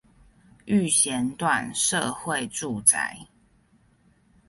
育賢段社會住宅